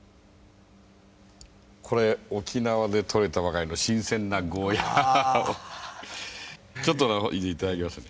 これ沖縄でとれたばかりの新鮮なゴーヤーをちょっといただきます。